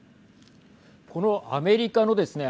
このアメリカのですね